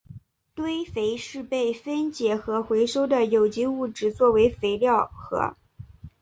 堆肥是被分解和回收的有机物质作为肥料和。